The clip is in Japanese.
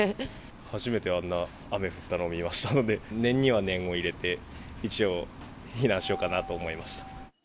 初めてあんな雨降ったのを見ましたので、念には念を入れて、一応避難しようかなと思いました。